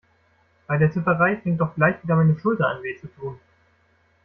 Bei der Tipperei fängt doch gleich wieder meine Schulter an weh zu tun.